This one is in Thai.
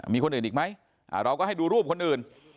มีคนอื่นอีกไหมเราก็ให้ดูรูปคนอื่น